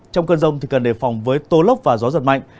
trong cơn rông thì cần đề phòng với tố lốc và gió giật mạnh